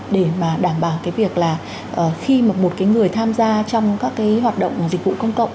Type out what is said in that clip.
để mà đảm bảo cái việc là khi mà một cái người tham gia trong các cái hoạt động dịch vụ công cộng